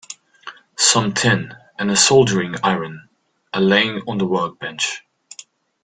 Some tin and a soldering iron are laying on the workbench.